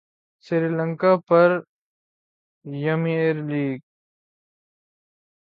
Sri Lanka Premier League